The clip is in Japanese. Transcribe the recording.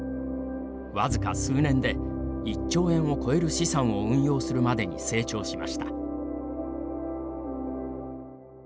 わずか数年で１兆円を超える資産を運用するまでに成長しました。